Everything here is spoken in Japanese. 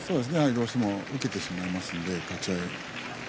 どうしても受けてしまいますので、立ち合い。